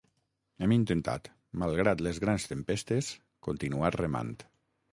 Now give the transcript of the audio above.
Hem intentat, malgrat les grans tempestes, continuar remant.